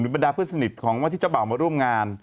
หรือบรรดาเพื่อนสนิทของเจ้าบ่าวมาร่วมงาน